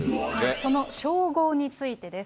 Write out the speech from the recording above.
その称号についてです。